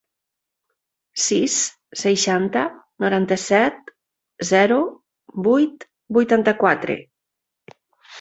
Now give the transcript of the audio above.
Afegeix a l'agenda el número de l'Islam Gomez: sis, seixanta, noranta-set, zero, vuit, vuitanta-quatre.